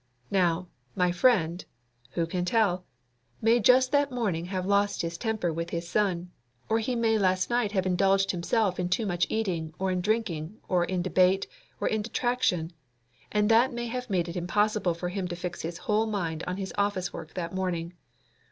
Now, my friend (who can tell?) may just that morning have lost his temper with his son; or he may last night have indulged himself too much in eating, or in drinking, or in debate, or in detraction; and that may have made it impossible for him to fix his whole mind on his office work that morning.